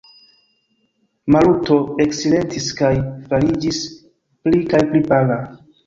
Maluto eksilentis kaj fariĝis pli kaj pli pala.